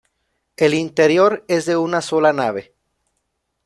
El interior es de una sola nave.